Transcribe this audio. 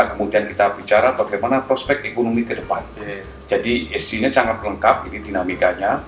kemudian kita bicara bagaimana prospek ekonomi ke depan jadi isinya sangat lengkap ini dinamikanya